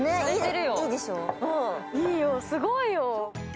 いいよ、すごいよ。